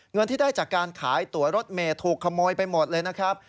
เงินที่ได้จากการขายตัวรถเมย์ถูกขโมยไปหมดเลยนะครับ